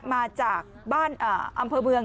มาจากบ้านอำเภอเมือง